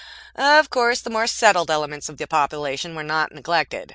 Of course the more settled elements of the population were not neglected.